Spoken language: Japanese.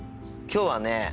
今日はね